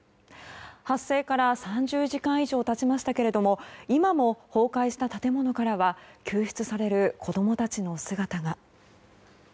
発生から３０時間以上経ちましたけども今も倒壊した建物からは救出される子供たちの姿が。